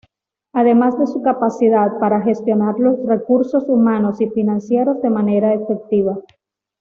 Además de su capacidad, para gestionar los recursos humanos y financieros de manera efectiva.